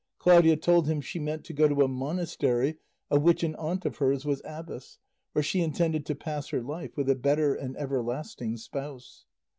Claudia told him she meant to go to a monastery of which an aunt of hers was abbess, where she intended to pass her life with a better and everlasting spouse.